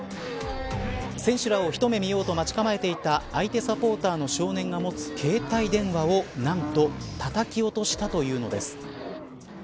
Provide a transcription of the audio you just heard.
選手らを一目見ようと待ち構えていた相手サポーターの少年が持つ携帯電話を、何とたたき落としたというのです。